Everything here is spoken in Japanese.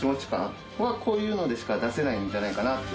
こういうのでしか出せないんじゃないかなと。